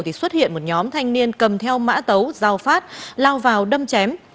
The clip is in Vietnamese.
thì xuất hiện một nhóm thanh niên cầm theo mã tấu dao phát lao vào đâm chém